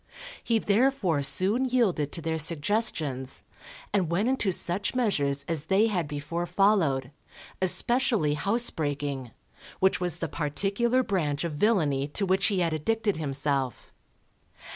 He therefore soon yielded to their suggestions, and went into such measures as they had before followed, especially housebreaking, which was the particular branch of villainy to which he had addicted himself.